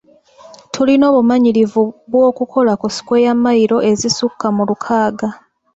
Tulina obumanyirivu bw’okukola ku sikweya mmayiro ezisukka mu lukaaga.